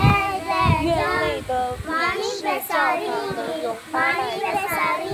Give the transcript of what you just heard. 院内的米市教堂能容八百人。